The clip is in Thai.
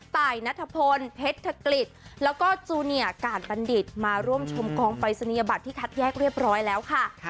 ตายนัทพลเพชรธกฤษแล้วก็จูเนียกาดบัณฑิตมาร่วมชมกองปรายศนียบัตรที่คัดแยกเรียบร้อยแล้วค่ะ